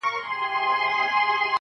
گرا ني خبري سوې پرې نه پوهېږم,